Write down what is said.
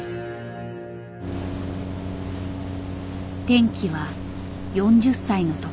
転機は４０歳の時。